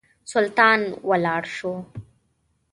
سلطان ولاړ شو.